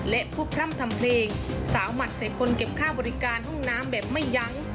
และผู้พร่ำทำเพลงสาวหมัดใส่คนเก็บค่าบริการห้องน้ำแบบไม่ยั้ง